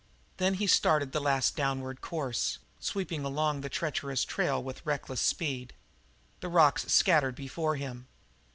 Then he started the last downward course, sweeping along the treacherous trail with reckless speed, the rocks scattering before him.